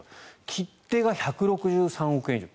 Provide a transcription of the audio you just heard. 切手が１６３億円以上。